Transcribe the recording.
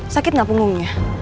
sakit gak punggungnya